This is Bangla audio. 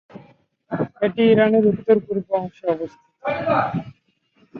এটি ইরানের উত্তর-পূর্ব অংশে অবস্থিত।